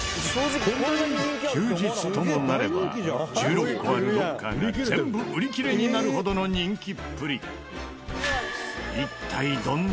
休日ともなれば１６個あるロッカーが全部売り切れになるほどの人気っぷり。